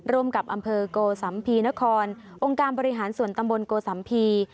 ร่วมกับอำเภอโกสัมภีนครองค์การบริหารส่วนตำบลโกสัมภีร์